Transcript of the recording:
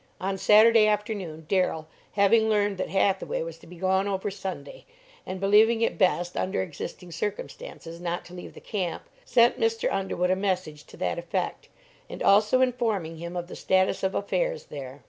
On Saturday afternoon Darrell, having learned that Hathaway was to be gone over Sunday, and believing it best under existing circumstances not to leave the camp, sent Mr. Underwood a message to that effect, and also informing him of the status of affairs there.